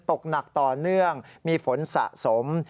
ตกหนักต่อเนื่องมีฝนสะสม